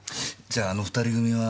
じゃああの２人組は。